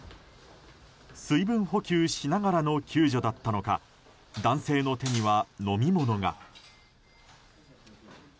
水分補給しながらの救助だったのか男性の手には、飲み物が。